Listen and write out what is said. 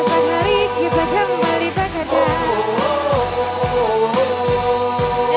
esok hari kita kembali bekerja